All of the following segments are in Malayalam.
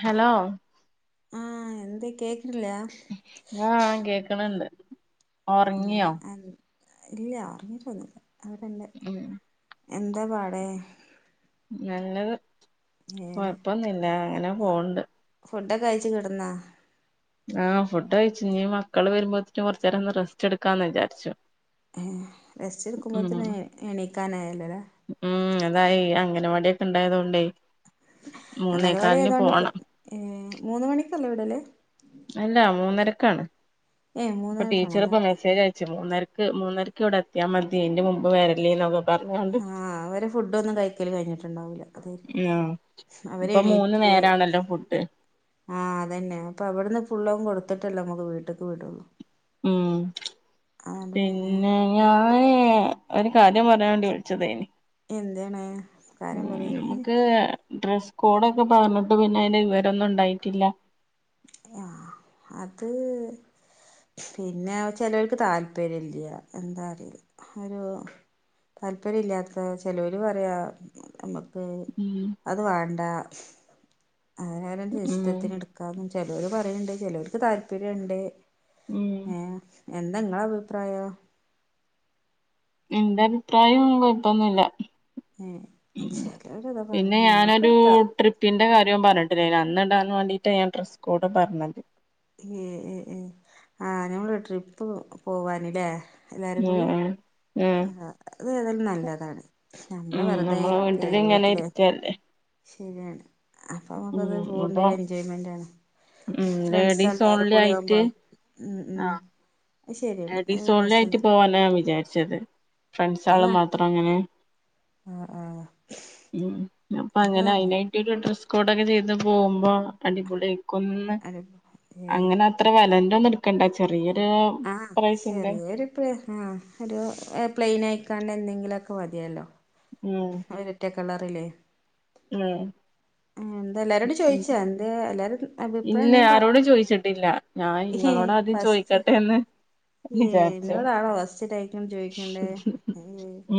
ഹലോ ആഹ് എന്തേ കേക്ക് ആഹ് കേക്കണിണ്ട് ഏഹ് ഒറങ്ങിയോ അഹ് ഇല്ല ഒറിങ്ങിട്ട് ഒന്നുല അവടെണ്ട് ഉം എന്താ പാടെ നല്ലത് ഏഹ് കൊഴപ്പൊന്നില്ല അങ്ങനെ പോണ്ട് ഫുഡൊക്കെ കഴച്ച് കിടന്നാ ആ ഫുഡ് കഴിച്ചു നീ മക്കള് വരുമ്പോത്ത കുറച്ച നേരംന്ന് റെസ്റ്റ് എടുക്കാന്ന് വിചാരിച്ചു സ്റ്റ് എടുക്കുമ്പോ ഉം തന്നെ എണീക്കാനായാലോല്ല ഉണ്ടായത് കൊണ്ടേ അംഗനവാടി ആയത്കൊണ്ട് പ് പോണം ഇ മൂന്ന് മണി ല്ല വിടെൽ അല്ല മൂന്നരക്കാണ് ഏഹ് മൂന്നേ പ്പ കാൽക്കാണല്ലേ ടീച്ചർപ്പ മെസേജയച് പഷേ മൂന്നരക്ക് മൂന്നരക്ക് ഇവിടെ എത്തിയാ മതി അതിന്റെ മുമ്പ് വരല്ലേ എന്നാവും ആ അവര് ഫുഡ് ഒന്നും കഴിക്കല് കഴിഞ്ഞിട്ടുണ്ടാവൂല്ല ആഹ് ഇപ്പൊ മൂന്ന് അവരെണീറ്റ് നേരാണല്ലോ ഫുഡ് ആ അതന്നെ അപ്പൊ അവിടുന്ന് ഫുള്ളും കൊടുക്ക് ത്തിട്ടല്ല മുത് വീട്ടിലേക്ക് വിടൂ ഉം പിന്നെ ഞാന് വീട്ട്ക്ക് ഒരു കാര്യം പറയാ വിളിച്ചതേനി എന്തേയാണ് ഉം നമുക്ക് ഡ്രസ്സ് കോഡൊക്കെ പറഞ്ഞിട്ട് പിന്നെ അതിന്റെ വിവരൊന്നും ഉണ്ടായിട്ടില്ല ആ അത് പിന്നെ ചെലവർക്ക് താല്പര്യം ഇല്ല എന്താറില്യ ഒരു താല്പര്യ ഇല്ലാത്ത ചെലവര് പറയാ നമ്മക് ഉം അത് വേണ്ട അവനവന്റ ഉം ഇഷ്ടത്തിന് എടു ചിലോര് പറയുന്നുണ്ട് ചിലവർക്ക് താല്പര്യംണ്ട് ഉം ങാ എന്താ നിങ്ങള അഭിപ്രായം എന്റെ അഭിപ്രായം കോയപ്പൊന്നൂല്ല ഏ ഉം ചിലരതാ പിന്നെ പറഞ്ഞു നമ്മക്ക് ഞാനൊരു എടുക്കാം ട്രിപ്പിന്റെ കാര്യവും പറഞ്ഞിട്ടില്ലേ അന്ന് ഇടാൻ വേണ്ടിട്ടാ ഞാൻ ഡ്രസ്സ് കോട് പറഞ്ഞത് ഏ ഏ ഏ ആ ഞമ്മൾ ട്രിപ്പ് പോവാൻ ല്ലേ എല്ലാരും ഉം കൂടി ഉം ഉം ആ അത് ഏതായാലും നല്ലതാണ് ഞമ്മളെ ഉം വെറുതെ നമ്മള് യിരിക്കല്ലേ വീട്ടിലിങ്ങനെ വീട്ടില് ഇരിക്കല്ലേ ശരിയാണ് അപ്പൊ ഉം നമുക്കത് പോണ്ട അപ്പൊ ഒരു എൻജോയ്മെന്റ് ആണ് ഉം ഫ്രണ്ട്സ് ലേഡീസ് എല്ലാവരും ഓൺലി കൂടി ആവുമ്പോ മം ഉം അത് ശരിയാണ് അടി അത് രസാണ് സോളായിട്ട് പോവാനാ വിചാരിച്ച ശത് ഫ്രണ്ട്സ അത് ആള് നടക്കും മാത്രം അങ്ങനെ ആ ആ ഉം അപ്പൊ അത് അങ്ങനെ തന്നെ അയിനായിട്ടൊരു ഡ്രസ്സ് ഒടനെ ചെയ്ത് പോകുമ്പോ അടിപൊളി ആയിരിക്കും കൊന്ന് അടി ഏ അങ്ങനെ അത്ര വല ഇന്നെടുക്കേണ്ട ചെറിയ [unintelligible] ചെറിയ ഒരു ആ ഒരു പ്ലെയിൻ ആയിക്ക എന്തെങ്കിലൊക്കെ മതിയല്ലോ ഉം ഒരറ്റ കളറിലേ ഉം ആ എന്താ എല്ലാരോടും ഉം ചോയിച്ചാ എന്ത് എല്ലാരും അഭിപ്രായം ഇല്ല എന്തേലും പറഞ്ഞ ആരോടും ചോയിച്ചിട്ടില്ല ഞാൻ ഇങ്ങളോട ആദ്യം ചോയ്ക്കട്ടെന്ന് ഏന്നോട് ആണോ ഫസ്റ്റ് [unintelligible] ചോദിക്കണ്ടേ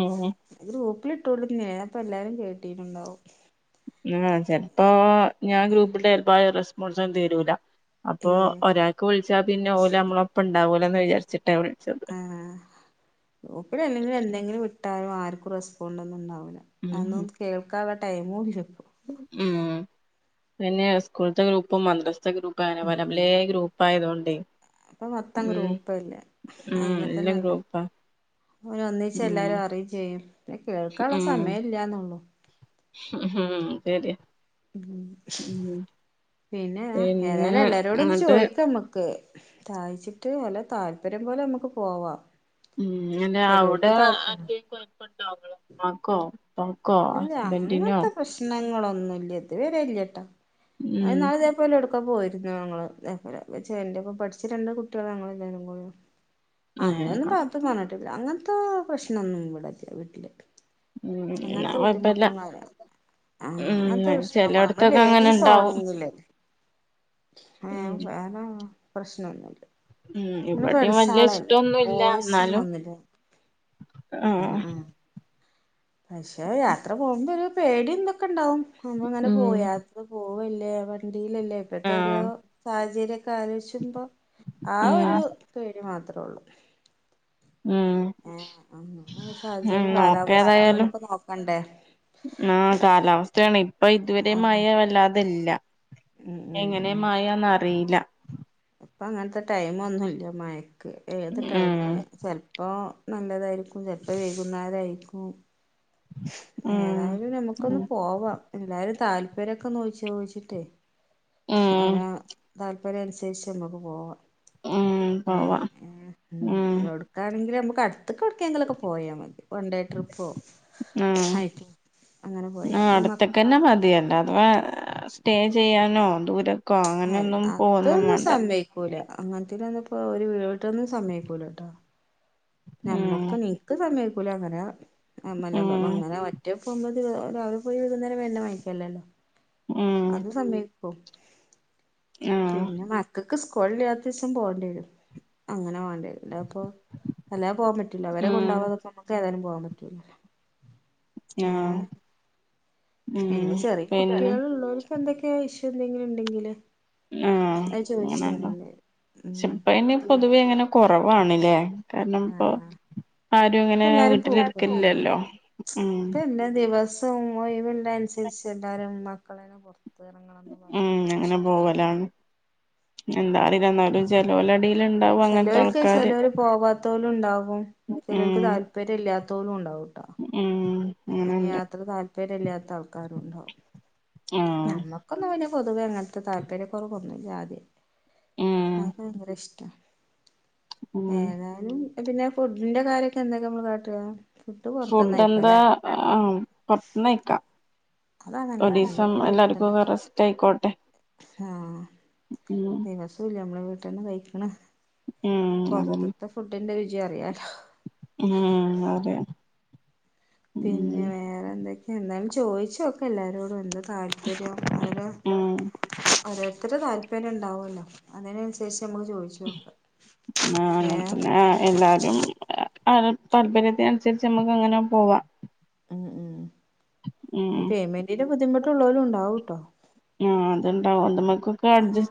ഉം ഗ്രൂപ്പിൽഇട്ടോളുന്ന അപ്പൊ എല്ലാരും കേട്ടീട്ടുണ്ടാവും ചിലപ്പോ ഞാൻ ഗ്രൂപ്പിന്റെ ചിലപ്പായ റെസ്പോൺസ ഒന്നും തരൂല ഏ അപ്പൊ ഒരാൾക്ക് വിളിച്ചാ പിന്നെ ഓലെ നമ്മള ഒപ്പ ഉണ്ടാവൂല്ലൊ ന്ന് വിചാരിച്ചിട്ട് ആഹ ഗ്രൂപ്പിൽ അല്ലെങ്കിലും എന്തെങ്കിലും വിട്ടാലോ ആർക്കും റെസ്പോണ്ട് ഒന്നും ഉണ്ടാവില്ല ഉം ഒന്നും കേൾക്കാൻ പറ്റ ടൈമും ഉം പിന്നെ സ്കൂളത്തെ ഗ്രൂപ്പും മന്ദ ഗ്രൂപ്പ്‌ ഉം പലേ ഗ്രൂപ്പ്‌ ഗ്രൂപ്പ്‌ ആയതുകൊണ്ട് ഇപ്പൊ മൊത്തം ഗ്രൂപ്പല്ലേ ഉം എല്ലാം അയിമ്പത്തന്നല്ലേ ഗ്രൂപ്പാ അന ഒന്നച്ച് ഉം എല്ലാരും അറിയയും ചെയ്യും കേൾക്കാനുള്ള ഉം സമയം ഇല്ലന്നുള്ളു ശരിയാ ഉം ഉം പിന്നെ പിന്നെ ഏതായാലും എല്ലാരോടും ഒന്ന് എന്നിട്ട് ചോയ്ക്ക നമ്മക്ക് ചോയിച്ചിട്ട് വല്ല താല്പര്യം പോലെ നമുക്ക് പോവാ ഉം അവിടെ [unintelligible] ആക്കോ ഓക്കോ ഹസ്ബെന്ണ്ടിനോ ഒന്നല്ല ഇതുവരെല്ലേട്ടോ ഉം ഇതേപോലെ എടുക്കു ക്കെ പോയിരുന്നു ഞങ്ങള് എന്റൊപ്പം പഠിച്ച രണ്ട് കുട്ടികൾ ഞങ്ങ ഏഹ് അന്ന്ന്ന് [unintelligible] അങ്ങനത്തെ പ്രശ്നൊന്നും ഇല്ല വീട്ടില് ഉം എന്നാ അങ്ങനത്തെ കൊഴപ്പല്ല ബുദ്ധിമുട്ടും കാര് ആ ഉം അങ്ങനത്തെ പ്രശ്നങ്ങളില്ല ചെലോടത്തൊക്കെ ഇപ്പൊ അങ്ങനെ ലേഡീസ് ഇണ്ടാവും ഉം പ്രശ്നംന്നുമല്ല ഉം ഇവിടേും വലിയ ഇഷ്ട്ടൊന്നുംല്ല എന്നാലും ആ ആഹ് ആ പക്ഷേ യാത്ര പോകുമ്പോ ഒരു പേടി ഇതൊക്കെ ഉണ്ടാവും അമ്മ അങ്ങനെ ഉം പോയാത്തത് പോ പോവല്ലേ പറിഞ്ഞി ലല്ലേ ഇപ്പഴത്തെ ഒരു ആഹ് സാഹചര്യ ആലോചിച്ചുമ്പോ ആ ഉം ഒരു പേടി മാ ത്രൊള്ളൂ, ഉം സാഹചര്യം കാലാവസ്ഥ ഉംനോക്കേതായാലും നമുക്ക് നോക്കണ്ടേ ആ കാലാവസ്ഥയാണ്. ഇപ്പൊ ഇതുവരെ ആ മയ വല്ലാതെ അതല്ല ഉം ഉം എങ്ങനെ ഉം മയാന്നറിയീല. ഇപ്പ അങ്ങനത്തെ ടൈം ഒന്നൂല്ല. മയ ക്ക് ഏത് ടൈമ് ഉം ചെലപ്പോ നല്ലതായിരിക്കും ചെലപ്പോ വൈകുന്നേരായിരിക്കും. ഉം ഏതായാലും നമുക്കൊന്ന് പോവാം. എല്ലാരും താല്പര്യം ഒക്കെ ഒന്നോയി ചോദിച്ചട്ടേ. ഉം അവന് താല്പ ര്യനുസരിച്ച് നമുക്ക് പോവാം. ഉം ഏ പോവാ ഏ ഉം. എവടക്കാണെങ്കില് നമ്മക്ക് തട്ട് അതൊക്ക എവടക്കെങ്കിലൊക്കെ പോയാ മതി. വൺ ഡേ ട്രിപ്പോ ഉം ഹൈക്കി അങ്ങനെ പോയാ നമക്ക് വെ സ്റ്റേ ചെയ്യാനോ ദൂരം അയ് അതൊന്നും സമ്മയിക്കൂല അങ്ങനത്തേല് ചെന്നപ്പേ ഒരു വീടോട്ടൊന്നും സമ്മയിക്കൂലാട്ടാ. ഉം നമ്മുക്ക് നിക്ക് സമയ് കുലാങ്ങനാ ഉം അമ്മലമ്പാ അങ്ങനെ മറ്റേ പൊങ്കൽ രാവിലെപോയി വൈകുന്നേരംന്നെ വായിക്കല്ലല്ലോ ഉം അത് സമ്മയ് ഹൊ ആ പിന്നെ മക്ക ൾക്ക് സ്കൂളില്ലാത്ത ദിവസം പോണ്ടി വരും. അങ്ങനെ വേണ്ടി അപ്പൊ അല്ലാ പോവാൻ പറ്റില്ല അവരെ ഉം കൊണ്ടാവാതൊന്നും നമ്മക്ക് ഏതാലും പോവാൻ പറ്റൂല്ലേ ആ ഉം പിന്നെ ചെറിയ പിന്നെ കുട്ടികൾ ഉള്ളവർക്ക് എന്തൊക്കെയൊ ഇഷ്യൂ എന്തെങ്കിലും ഉണ്ടെങ്കില് ആ അത് അ [unintelligible] ചോദിച്ചറിയണ്ടി വരും പക്ഷെ ഉം ഇപ്പയിൻ പൊതുവെ എങ്ങനെ കൊറ കുറവാണ് ലേ കാരണം ഇപ്പൊ ആഹ് ആഹ് ആരും ഇപ്പ ഇങ്ങനെ എല്ലാരും പോകൂലല്ലേ വീട്ടിലിരിക്കില്ലല്ലോ ഉം ഇപ്പ എല്ലാ ദിവസം ഒഴിവുള്ള അനുസരിച്ച് എല്ലാരും മക്കളേനെ പൊ ഇറങ്ങണംന്ന് പറഞ് വാശി പിടിച്ചു എന്താറീല എന്നാലും ജലോല എടീൽ ഇണ്ടാവും അങ്ങനത്തെ ആൾക്കാര് ണ്ടാവും അപ്പം ഉം ചേലോൽക്ക് താല്പര്യം ഇല്ലാത്ത തോലും ഉണ്ടാവും ഉം അങ്ങനെ അങ്ങനെണ്ട് യാത്ര താല്പര്യ ഇല്ലാത്ത ആൾക്കാരും ഉണ്ടാവും ആഹ് നമ്മക്കൊന്നും പിന്നെ പൊതുവ അങ്ങെ നത്തെ താല്പര്യ കുറവൊന്നു ആദ്യേ ഉം അത് ഭയങ്കര ഇഷ് ഉം ഏതാലും പിന്നെ ഫുഡിന്റെ കാര്യൊക്കെ എന്തൊക്കെ നമ്മൾ കാട്ടുക ഫുഡ് എന്താ ആഹ് പൊറത്തിന്ന് കഴിക്ക അതാ നല്ലത് ഒരീസ്സം എന്നുപ്പല്ലേ വീട്ട്ന്ന് എല്ലാർക്കുക്കെ റെസ്റ്റായി ആഹ് ഉം ദിവസോം ഇല്ലേ നമ്മള ട്ടൊന്ന് കഴിക്കണെ ഉം അതന്നെ പൊർത്ത്ത്ത ഫുഡിന്റെ രു ചി അറിയാലോ ഉം അതെ ഉം പിന്നെ വേറെന്തൊ എന്നാലും ചോയിച്ചോക്ക എല്ലാരോടും എന്ത താല്പര്യം അവരെ ഉം ഓരോരുത്തരെ താല്പര്യം ഉണ്ടാവല്ലോ അതിനൻസര്ച് ആഹ് ഏ അങ്ങൻതന്നെ ആഹ് എല്ലാരും അതെ താല്പര്യത്തിന് അനുസരിച്ച് നമുക്ക് അങ്ങനെ പോവാ. ഉം ഉം ഉം ഇനി പേയ്മെന്റിന്റെ ബുദ്ധിമു ട്ടുള്ളോലും ഉണ്ടാവുട്ടോ. ആഹ് അത്ണ്ടാവും. അത് മ്മ ആം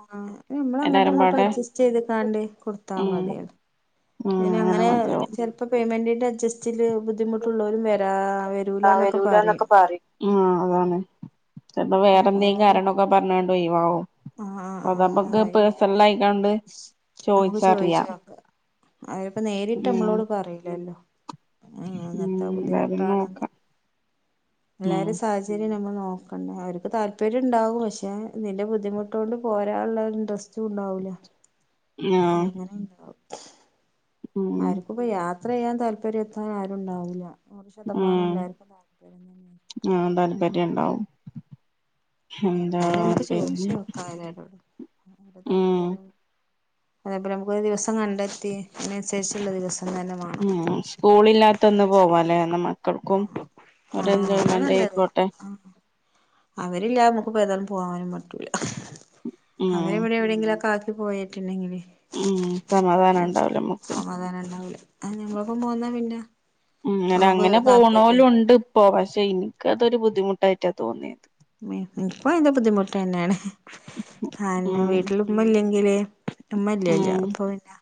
ആഹ് നമ്മൾ അങ്ങട്ടും എല്ലാരും ഇങ്ങട്ടും പാടെ അഡ്ജസ്റ്റയ്ത്ക്കാണ്ടെ കൊടുത്താ ഉം മതി അത്. ഉം അങ്ങനെ അയ്നങ്ങനെ മതിയാവും ചെൽപ്പം പേയ്മെൻ്റിന്റെ അഡ്ജസ്റ്റിൽ ബുദ്ധിമുട്ടുള്ളവരും വെ രാ ആഹ് വരൂലാന്നൊക്കെ പറിം ഉം അതാണ്. ചെലപ്പം വേറെ അപ്പൊ എന്തേം അതാരും കാരണൊക്കെ പറഞ്ഞാണ്ട് ഒഴിവാവും. ആഹ് ആഹ് ആഹ് അതമ്മക്ക് അതായിരു പേയ്സണലായിക്കാണ്ട് നമുക്ക് ചോയിച്ചറിയാ. ചോദിച്ചു നോക്കാം അവരിപ്പോ നേരിട്ടമ്മളോട് പറീലല്ലോ. ഉം എന്താലും നോക്കാ എല്ലാരിം സാഹചര്യം ഞമ്മൾ നോ നാേക്കണ്ടേ അവര്ക്ക് താല്പര്യംണ്ടാവും പക്ഷേ നിന്റെ ബുദ്ധിമുട്ട്കൊണ്ട് പോരാൻള്ളൻട്രസ് റ്റുംണ്ടാവൂല ആഹ് എങ്ങനെണ്ടാവും ഉം ആര്ക്കുംപ്പ യാ ത്ര യ്യാൻ താല്പര്യത്താൻ ആരുണ്ടാവൂല്ല നൂറ് ശതമാനം ഉം എല്ലാർക്കും താല്പര്യം തന്നെ ര്യം ഉണ്ടാവും എന്താ എന്തായാലും മ്മക്ക് പിന്നെ ചോയിച്ചുനോകാം എല്ലാടോടും അവ ഉം താല്പര്യ അ [unintelligible] പോലേ അമുക്കൊരു ദിവസം കണ്ടെത്തി അയ്നൻസരിച്ചുള്ള ദിവസം തന്നെ വേണം ഹെ സ്കൂളില്ലാത്തന്ന് പോവാല്ലേ എന്ന മക്കൾക്കും ആഹ് ഒരു ആഹ് അതാ എൻജോയ്മെന്റ് നല്ലത് ആയിക്കോട്ടെ ആഹ് അവരില്ലാതെ നമ്മക്ക്പ്പോ താലും പോകാനും പറ്റൂല്ല ഉം അവരെ ഇവിടെ എവിടെങ്കിലൊക്കെ ആ ഇത് പോയിട്ടുണ്ടെങ്കിൽ ഉം സമാധാനം ഒണ്ടാവൂല നമുക്ക് ആഹ് ഞമ്മങ്ങളൊപ്പം പോന്നാ പിന്നെ ഉം നമുക്ക് അങ്ങനെ താല്പര്യ പോണോലുംണ്ട് ഇപ്പോ പക്ഷെ ഇൻക്കതൊരു ബുദ്ധി ബുദ്ധിമുട്ടായിട്ട തോന്നിയത് മി ഇതിപ്പോ ബുദ്ധിമുട്ടന്നേണ് കാരണം ഉം വീട്ടില് ഉമ്മ ഇല്ലെങ്കില് ഉമ്മല്ലല്ലോ അപ്പൊ പിന്നെ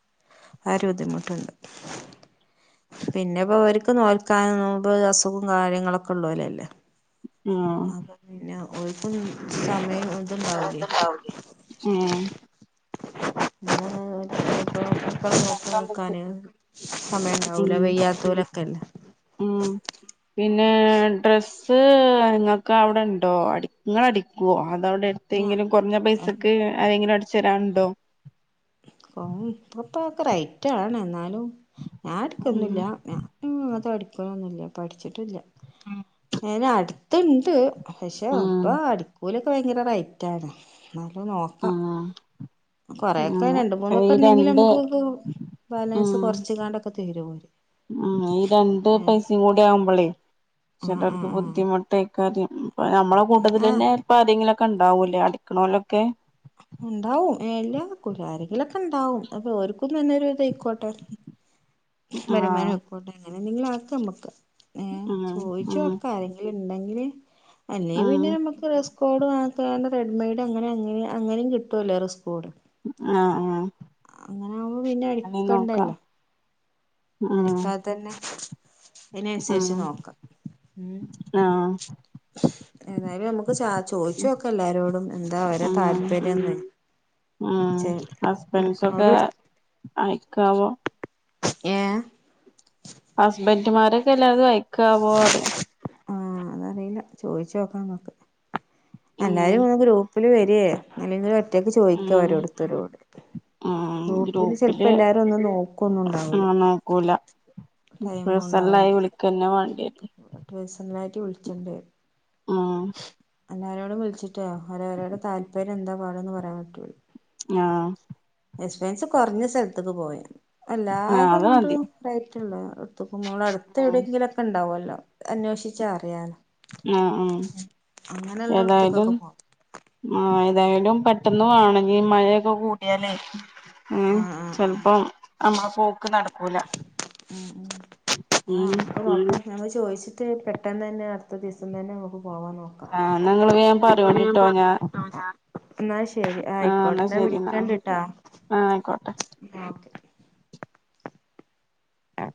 ആ ഒരു ബുദ്ധിമുട്ടോണ്ട് പിന്നെപ്പോ അവർക്ക് നോൽക്കാൻ നോമ്പ് അസുഖം കാര്യങ്ങളൊക്കെള്ളൂലല്ലെ ഉം അപ്പൊ പിന്നെ ഓൽക്കൊന്നും സമയ [unintelligible] ഏഹ് [inaudible] [unintelligible] നോക്കി നിക്കാന് സമയ ഇണ്ടാവൂല ഉം വെയ്യാതോലൊക്കെല്ലേ ഉം പിന്നെ ഡ്രസ്സ് ഇങ്ങൾക്ക് അവുടെ ഇണ്ടോ അടി ഇങ്ങൾ അടിക്കോ അവുടെ എടുത്തെങ്കിലും കുറഞ്ഞ പൈസക്ക് ആരെങ്കിലും അ ച്ചരാണ്ടോ ഊം ഇപ്പത്തക്ക റൈറ്റാണ് ഇന്നാലും ഞാൻ ഉം അടിക്കൊന്നുല്ല ഞ ഇപ്പത് പഠിക്ക്ണൊന്നുല്ല പഠിച്ചിട്ടില്ല അയ്ന അ തിണ്ട് പക്ഷെ ഉം ഇപ്പൊ അടിക്കൂ ഭയങ്കര റൈറ്റ് ആണ് നല്ല നോർത്ത ഉം കൊറേക്കെ ഉം രണ്ട് മൂന്നൊക്കെ ഈ ഉണ്ടെങ്കിൽ രണ്ട് നമ്മുക് [unintelligible] ഉം ബാലൻസ് കൊറച്ച്കാണ്ടൊക്കെ തരും തിര വോര് ഉം ഈ രണ്ട് പൈസിം കൂടി ആവുമ്പളേ ആഹ് ചെലോൽക്ക് ആഹ് ആഹ് ബുദ്ധിമുട്ടയ്ക്കാര്യം നമ്മളെ കൂട്ടത്തിൽ ആഹ് തന്നപ്പാരെങ്കി ക്കണ്ടാവൂല്ലേ അടിക്കണോലൊക്കെ ഉണ്ടാവും ഏ ഇല്ലാതിക്കൂല ആരെങ്കിലൊക്കെ ഇണ്ടാവും അപ്പൊ ഓർകുത്തന്നെരു ഇതയ്ക്കോട്ടെ ആഹ് വരുമാനം [inaudible] എങ്ങനെങ്കിലാക്കമ്മക്ക് ഏ ഉം ഉം ചോയ്ച്ചോക്ക ആരെങ്കില ഉണ്ടെങ്കില് അല്ലെയ് ഉം പിന്നെ അമ്മക്ക് റസ് കോഡ് മാത്രാ [unintelligible] റെഡ്മെയ്ഡ് അങ്ങനെ അങ്ങനെ അങ്ങനേം കിട്ടൊല്ലോ ഡ്രസ്സ്‌ കോഡ് ആഹ് ആഹ് അങ്ങനാകുമ്പോ പിന്നെ അങ്ങനെ നോക്കാം അടിക്കണ്ടല്ലോ ഉം മടിക്കാത്തന്നെ ഉം അയ്നൻസരിച്ച് നോക്കാം ഉം ആഹ് ഏതായാലും അമുക്ക് ച ചോയ്ച്ചോ ക്ക എല്ലാരോടും എന്താ അവരുടെ ഉം താല്പര്യന്ന് ഉം ചെ എടുക്കുന്നൊ ഹസ്ബൻസൊക്കെ രെ അയക്കാവോ ഏഹ് ഹസ്ബൻഡുമാരൊക്കെ എല്ലാവും അതു വെയ് ക്ക [unintelligible] അതറീയല്ല ചോയ്ച്ചോക്കാം മ്മക്ക് ഉം എല്ലാരും ന്ന് ഗ്രൂ ല് വരേ നല്ലെങ്കിൽ റ്റേന്ന് ചോയ്ക്ക ഉം ഓരോർത്തരോട്‌ ഗ്രൂപ്പില് ചെൽപ്പെല്ലാരൊന്നു നോക്കുന്നുണ്ടാവൂല ആഹ് നോക്കൂല പേഴ്സണലായി ടൈമുണ്ടാവുല്ല വിളിക്കന്നെ വേണ്ടിവരും പേഴസണലായിട്ട് വിളിച്ചണ്ട് ഉം എല്ലാരോടും വിളിച്ചിട്ടൊ അവരോരടെ താല്പര്യം എന്താ പാടന്ന് പറയാൻ പറ്റൂള്ളൂ ആഹ് എക്സ്പെൻസ് കൊറ്ഞ്ഞ സല്ത്ത്ക്ക് പോവേ ആഹ് അത് അല്ലാതെങ്ങോട്ടും മതി [unintelligible] ആഹ് അടുത്തെവിടെക്കെങ്കിലുമൊക്കെ ഉണ്ടാവൊല്ലോ ല്ലൊ അന്വേഷിച്ച അറിയാന ആഹ് ആഹ് ഏതായാലും അങ്ങനെയുള്ളടത്തക്കൊക്കെ പോവാം ആഹ് എതായാലും പെട്ടെന്ന് വാണങ്കി മഴയൊക്കെ കൂടിയാലേ ഉം ആഹ് ആഹ് ആഹ് ചിലപ്പം അന്ന പോക്ക് നട ഉം ഉം ആ ഉം [unintelligible] ഞങ്ങള് ചോദിച്ചിട്ട് പെട്ടെന്ന് തന്നെ അടുത്ത ദിവസം തന്നെ നോക്കും ആ നിങ്ങള് വേഗം പറയോണ്ടിട്ടോ ഞാൻ എന്നാ ശരി ആഹ് ആയിക്കോട്ടെ എന്നാ ഞാൻ ശരി എന്നാ വിളിക്കണ്ടിട്ടാ ആഹ് ആയിക്കോട്ടെ ആ ആഹ്